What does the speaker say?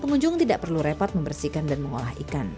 pengunjung tidak perlu repot membersihkan dan mengolah ikan